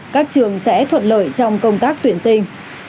các trường sẽ thuận lợi trong công tác tuyển sinh